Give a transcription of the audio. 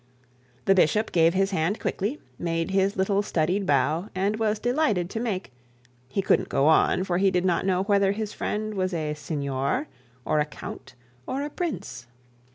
The bishop gave his hand quickly, and made a little studied bow, and was delighted to make . He couldn't go on, for he did not know whether his friend was a signor, or a count, or a prince.